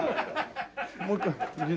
もう一回。